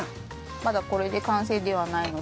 まだこれで完成ではないので。